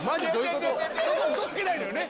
嘘つけないのよね